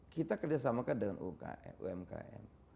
kita kerjasamakan dengan umkm